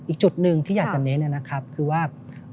อีกจุดหนึ่งที่อยากจะเน้นนะครับคือว่า